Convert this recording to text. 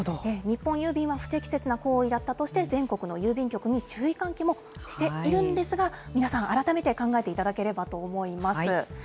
日本郵便は、不適切な行為だったとして、全国の郵便局に注意喚起もしているんですが、皆さん、改めて考えていただければと思います。